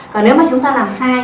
còn nếu mà chúng ta làm sai